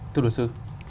thưa luật sư